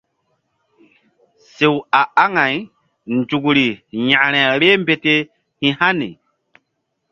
Sew a aŋay nzukri yȩkre vbeh mbete hi̧ hani.